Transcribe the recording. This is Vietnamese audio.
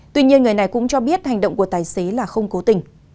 tuy nhiên người này cũng cho biết hành động của tài xế là không cố tình